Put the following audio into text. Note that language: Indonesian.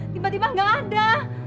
tiba tiba gak ada